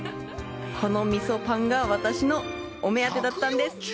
このみそぱんが私のお目当てだったんです。